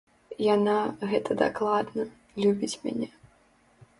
Яна, гэта дакладна, любіць мяне.